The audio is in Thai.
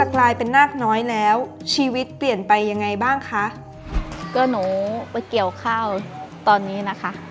ก็หนูไปเกี่ยวข้าวตอนนี้นะคะ